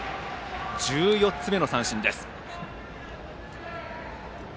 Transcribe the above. １４つ目の三振です。